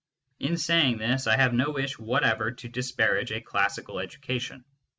In saying this I have no wish whatever to disparage a classical education.